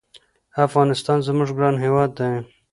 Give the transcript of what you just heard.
افغانستان زمونږ ګران هېواد دی